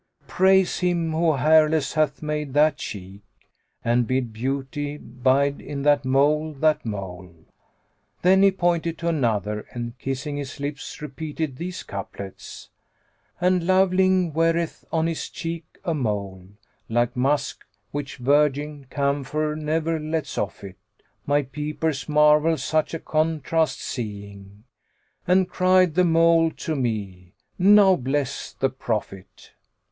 [FN#87] Praise Him who hairless hath made that cheek * And bid Beauty bide in that mole, that mole!" Then he pointed to another and, kissing his lips, repeated these couplets, "And loveling weareth on his cheek a mole * Like musk, which virgin camphor ne'er lets off it: My peepers marvel such a contrast seeing; * And cried the Mole to me, 'Now bless the Prophet.'"